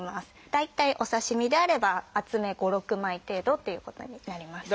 大体お刺身であれば厚め５６枚程度っていうことになります。